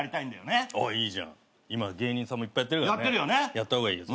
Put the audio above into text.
やった方がいいよ。